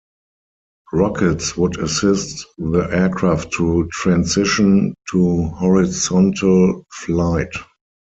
Rockets would assist the aircraft to transition to horizontal flight.